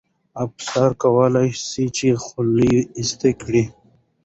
افسر کولای سي چې خولۍ ایسته کړي.